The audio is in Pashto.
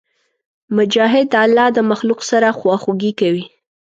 مجاهد د الله د مخلوق سره خواخوږي کوي.